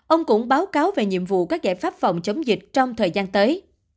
ông cũng báo cáo về nhiệm vụ các giải pháp phòng chống dịch trong thời gian tới